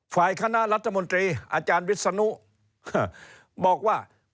คณะรัฐมนตรีอาจารย์วิศนุบอกว่า